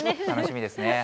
楽しみですね。